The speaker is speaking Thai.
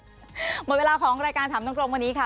หมดเวลาของรายการถามตรงวันนี้ค่ะ